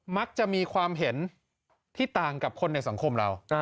มักจะมีความเห็นที่ต่างกับคนในสังคมเรา